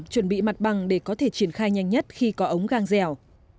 chuẩn bị mặt bằng để có thể triển khai nhanh nhất khi có ống gan dẻo